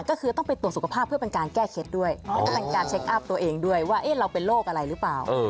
ก็คือต้องไปตรวจสุขภาพเพื่อเป็นการแก้เคล็ดด้วยแล้วก็เป็นการเช็คอัพตัวเองด้วยว่าเราเป็นโรคอะไรหรือเปล่า